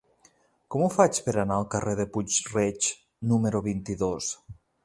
Com ho faig per anar al carrer de Puig-reig número vint-i-dos?